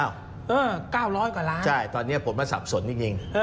๙๐๐กว่าล้านบาทใช่ตอนนี้ผลมาสับสนนิดนึง